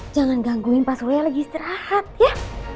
jangan gangguin pak surya lagi istirahat ya